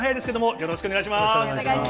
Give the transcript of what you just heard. よろしくお願いします。